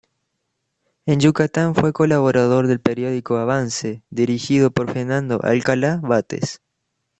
En Yucatán fue colaborador del periódico "Avance" dirigido por Fernando Alcalá Bates.